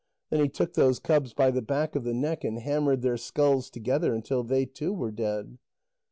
Then he took those cubs by the back of the neck and hammered their skulls together until they too were dead.